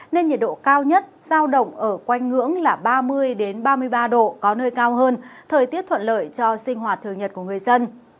nên nhiệt độ cao nhất giao động ở quanh ngưỡng là ba mươi ba mươi ba độ có nơi cao hơn thời tiết thuận lợi cho sinh hoạt thường nhật của người dân